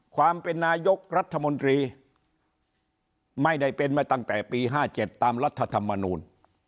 ความเป็นนายกรัฐมนตรีไม่ได้เป็นมาตั้งแต่ปี๕๗ตามรัฐธรรมนูล